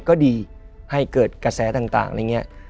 ก็ดีให้เกิดกระแสต่างอะไรอย่างนี้